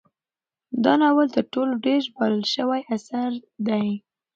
دا ناول تر ټولو ډیر ژباړل شوی اثر دی.